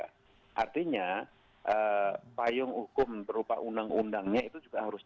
artinya payung hukum berupa undang undangnya itu juga harus